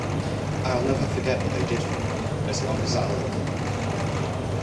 I'll never forget what they did for me, as long as I live.